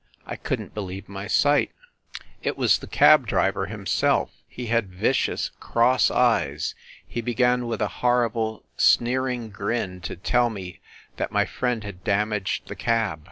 ... I couldn t believe my sight. ... It was the cab driver himself ... he had vicious cross eyes. ... He began with a horrible, sneering grin, to tell me that my friend had damaged the cab.